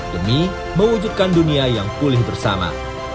demi mewujudkan dunia yang pulih bersama